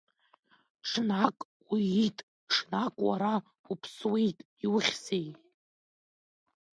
Ҽнак уиит, ҽнак уара уԥсуеит, иухьзеи!